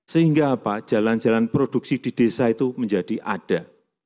sehingga apa jalan jalan produksi di desa itu menjadi ada